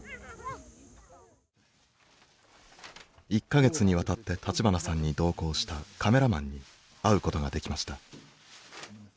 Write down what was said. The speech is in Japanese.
１か月にわたって立花さんに同行したカメラマンに会うことができました。